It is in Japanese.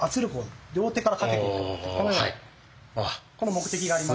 この目的があります。